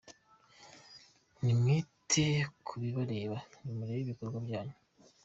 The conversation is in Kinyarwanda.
Nimwite ku bibareba, nimurebe ibikorwa byanyu.